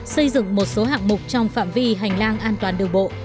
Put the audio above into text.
xây dựng một số hạng mục trong phạm vi hành lang an toàn đường bộ